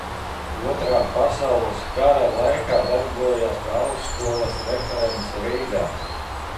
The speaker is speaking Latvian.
Otrā pasaules kara laikā darbojās kā augstskolas referents Rīgā.